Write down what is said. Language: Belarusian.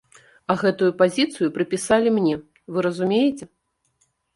А гэтую пазіцыю прыпісалі мне, вы разумееце?